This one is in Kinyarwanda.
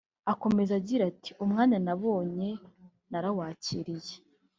Akomeza agira ati “ Umwanya nabonye narawakiriye